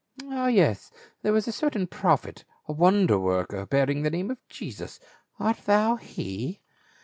Ah yes, there was a certain prophet, a wonder worker bearing the name of Jesus ; art thou he?"